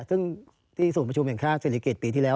ซึ่งที่สูตรประชุมเห็นค่าศิริเกษตรปีที่แล้ว